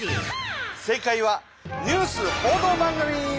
正かいはニュース報道番組！